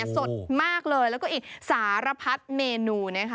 สดมากเลยแล้วก็อีกสารพัดเมนูนะคะ